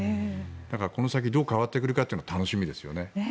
だからこの先どう変わってくるかが楽しみですよね。